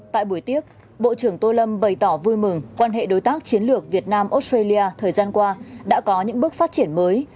tại buổi tiếp bộ trưởng tô lâm bày tỏ vui mừng quan hệ đối tác chiến lược việt nam australia thời gian qua đã có những bước phát triển mới